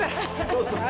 どうぞ。